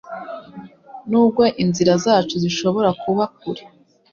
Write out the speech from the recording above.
nubwo inzira zacu zishobora kuba kure